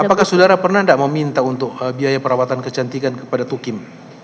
apakah saudara pernah tidak meminta untuk biaya perawatan kecantikan kepada tukim